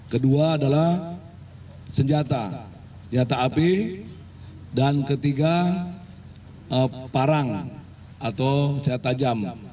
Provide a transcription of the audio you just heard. kedua adalah senjata senjata api dan ketiga parang atau set tajam